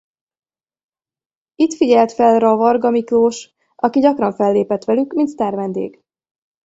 Itt figyelt fel ra Varga Miklós aki gyakran fellépett velük mint sztárvendég.